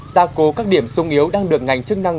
gia cố các điểm sung yếu đang được ngành chức năng